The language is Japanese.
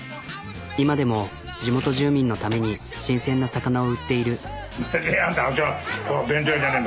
今でも地元住民のために新鮮な魚を売っている。